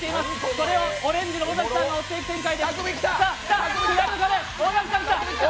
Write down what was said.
それをオレンジの尾崎さんが追っている状態。